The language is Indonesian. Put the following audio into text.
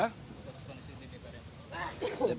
pasukan di sini di barangkas ini apa